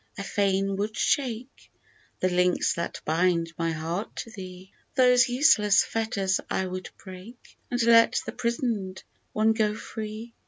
I fain would shake The links that bind my heart to thee ; Those useless fetters I would break And let the 'prison'd one go free